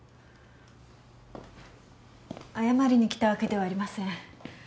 謝りに来たわけではありません。